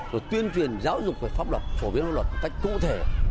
rồi tuyên truyền giáo dục về pháp luật phổ biến pháp luật một cách cụ thể